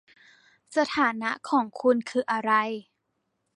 สถานะของคุณคืออะไร